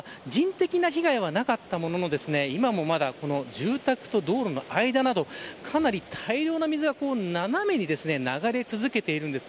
この辺りは人的な被害はなかったものの今も住宅と道路の間などかなり大量の水が斜めに流れ続けているんです。